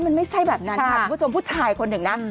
มันไม่ใช่แบบนั้นค่ะคุณผู้ชมผู้ชายคนหนึ่งนะ